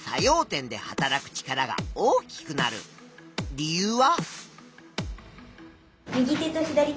理由は？